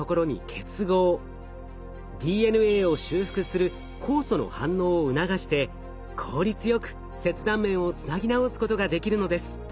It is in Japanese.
ＤＮＡを修復する酵素の反応を促して効率よく切断面をつなぎ直すことができるのです。